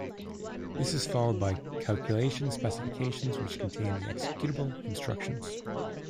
This is followed by Calculation Specifications, which contain the executable instructions.